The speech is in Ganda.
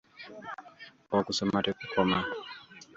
Okusoma tekukoma.